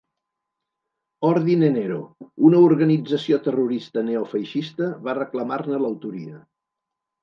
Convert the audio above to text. Ordine Nero, una organització terrorista neofeixista, va reclamar-ne l'autoria.